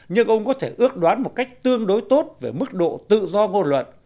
nhưng ông có thể ước đoán một cách tương đối tốt về mức độ tự do ngôn luận